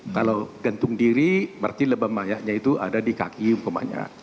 kalau gantung diri berarti lebam mayatnya itu ada di kaki umpamanya